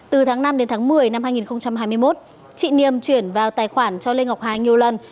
từ tháng năm đến tháng một mươi năm hai nghìn hai mươi một chị niềm chuyển vào tài khoản cho lê ngọc hà nhiều lần